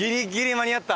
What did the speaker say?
間に合った！